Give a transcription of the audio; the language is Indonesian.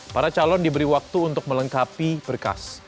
para calon diberi waktu untuk melengkapi berkas